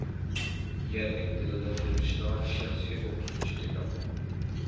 يەرلىك تىلدا سۆزلىشىدىغان شەخسىي ئوقۇتقۇچى تېپىڭ.